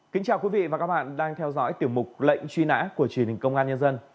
kính chào quý vị và các bạn đang theo dõi tiểu mục lệnh truy nã của truyền hình công an nhân dân